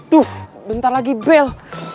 duh bentar lagi bel